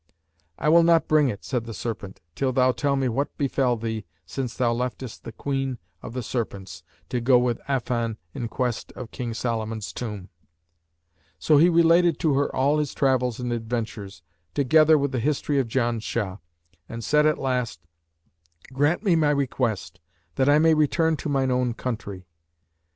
'I will not bring it,' said the serpent, 'till thou tell me what befell thee since thou leftest the Queen of the Serpents, to go with Affan in quest of King Solomon's tomb.' So he related to her all his travels and adventures, together with the history of Janshah, and said at last, 'Grant me my request, that I may return to mine own country.'